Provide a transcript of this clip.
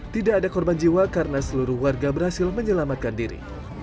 tidak ada korban jiwa karena seluruh warga berhasil menyelamatkan diri